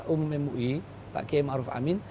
umum mui pak kiai ma'ruf amin